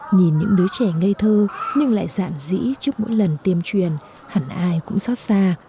nhìn những đứa trẻ ngây thơ nhưng lại dạn dĩ trước mỗi lần tiêm truyền hẳn ai cũng xót xa